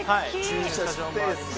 駐車スペースが。